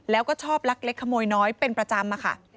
แล้วก็ชอบลักเล็กขโมยน้อยเป็นประจำค่ะ